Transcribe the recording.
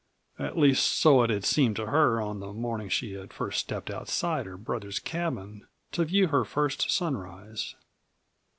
At least so it had seemed to her on the morning she had first stepped outside her brother's cabin to view her first sunrise.